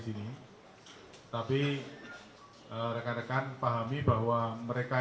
yang empat tertembak dan meninggal